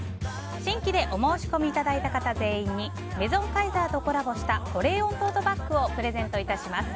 新規でお申し込みいただいた方全員にメゾンカイザーとコラボした保冷温トートバッグをプレゼントいたします。